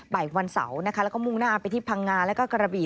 บ่ายวันเสาร์นะคะแล้วก็มุ่งหน้าไปที่พังงาแล้วก็กระบี่